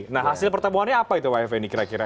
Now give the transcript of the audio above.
nah hasil pertemuannya apa itu pak effendi kira kira